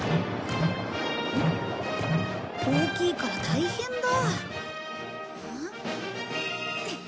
大きいから大変だ。